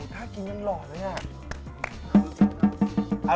ถ้ากินยังหล่อเลยอ่ะ